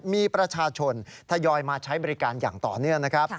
มีประชาชนทยอยมาใช้บริการอย่างต่อเนื่องนะครับ